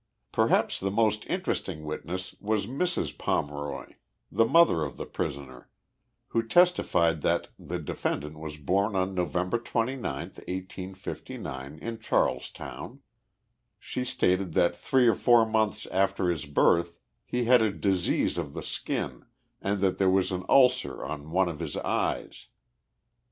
Perhaps the most interesting witness was Mrs. Pomeroy, the mother of the prisoner, who testified that the defendant was born on Nov. 29, 1859, in Charlestown. She stated that three or four months after his birth he had a disease of the skin and that there was an ulcer on one of his eyes.